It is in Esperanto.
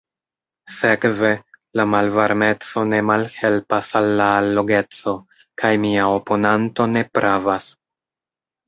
Sekve, la malvarmeco ne malhelpas al la allogeco, kaj mia oponanto ne pravas.